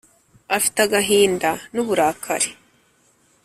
afite agahinda n’uburakari